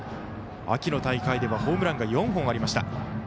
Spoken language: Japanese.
秋の大会ではホームランが４本ありました。